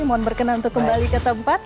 mohon berkenan untuk kembali ke tempat